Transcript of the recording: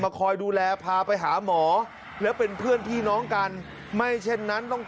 มาคอยดูแลพาไปหาหมอและเป็นเพื่อนพี่น้องกัน